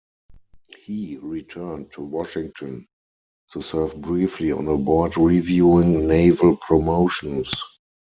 He returned to Washington to serve briefly on a board reviewing naval promotions.